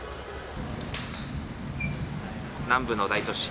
南部の大都市